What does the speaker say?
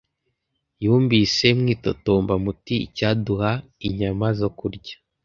Yumvise mwitotomba muti “Icyaduha inyama zokurya!